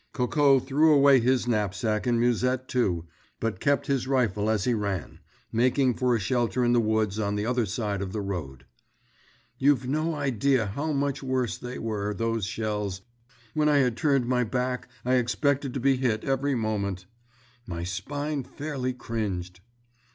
Coco threw away his knapsack and musette, too, but kept his rifle as he ran, making for a shelter in the woods on the other side of the road. "You've no idea how much worse they were, those shells; when I had turned my back I expected to be hit every moment. My spine fairly cringed."